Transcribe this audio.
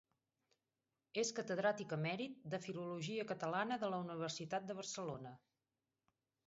És catedràtic emèrit de Filologia Catalana de la Universitat de Barcelona.